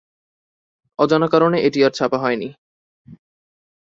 অজানা কারণে এটি আর ছাপা হয়নি।